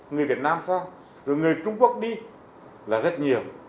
người việt nam sang rồi người trung quốc đi là rất nhiều